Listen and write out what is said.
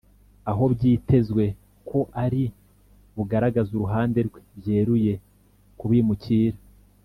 aho byitezwe ko ari bugaragaze uruhande rwe byeruye ku bimukira